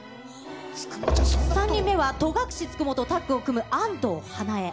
３人目は、戸隠九十九とタッグを組む安藤花恵。